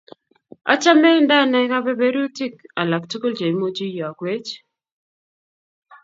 Achome ndanai kabeberutik alak tugul cheimuchi iyokwech